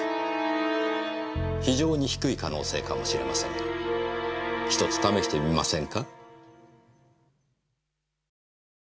非常に低い可能性かもしれませんが１つ試してみませんか？